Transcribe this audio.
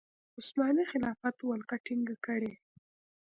عثماني خلافت ولکه ټینګه کړي.